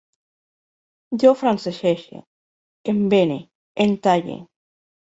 Jo francesege, embene, entalle